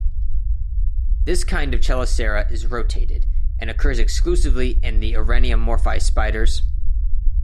This kind of chelicera is rotated and occurs exclusively in the Araneomorphae spiders.